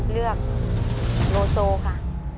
เลือกโลโซค่ะ